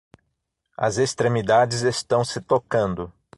As extremidades estão se tocando.